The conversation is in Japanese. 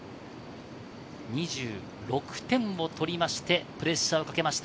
２６点を取りましてプレッシャーをかけました。